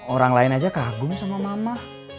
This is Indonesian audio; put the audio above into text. orang lain aja kagum sama mama